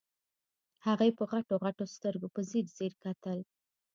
هغې په غټو غټو سترګو په ځير ځير کتل.